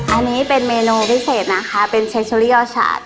อันนี้เป็นเมนูพิเศษนะคะเป็นเชสตุรีออชาร์ด